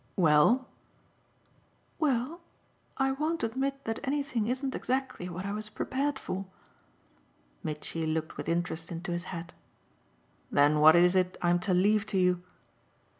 "Well?" "Well, I won't admit that anything isn't exactly what I was prepared for." Mitchy looked with interest into his hat. "Then what is it I'm to 'leave' to you?"